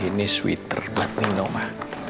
ini sweater buat mino ma